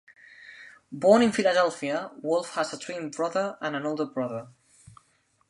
Born in Philadelphia, Wolfe has a twin brother and an older brother.